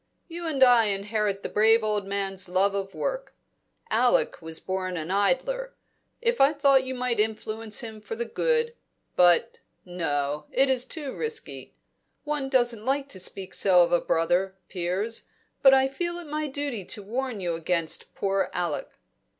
You and I inherit the brave old man's love of work; Alec was born an idler. If I thought you might influence him for good but no, it is too risky. One doesn't like to speak so of a brother, Piers, but I feel it my duty to warn you against poor Alec.